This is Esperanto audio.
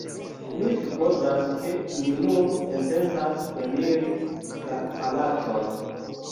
Mi supozas, ke ni nun intencas eniri la palacon